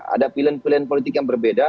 ada pilihan pilihan politik yang berbeda